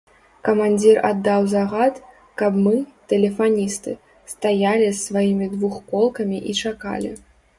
Камандзір аддаў загад, каб мы, тэлефаністы, стаялі з сваімі двухколкамі і чакалі.